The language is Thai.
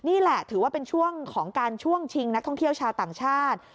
นี่แหละถือว่าเป็นช่วงของการช่วงชิงนักท่องเที่ยวชาวต่างชาติ